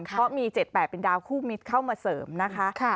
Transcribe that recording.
เพราะมี๗๘เป็นดาวคู่มิตรเข้ามาเสริมนะคะ